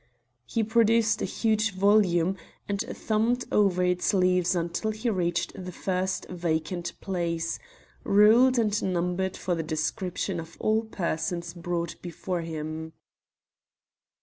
He produced a huge volume, and thumbed over its leaves until he reached the first vacant place, ruled and numbered for the description of all persons brought before him.